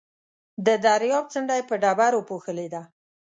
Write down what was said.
د درياب څنډه يې په ډبرو پوښلې ده.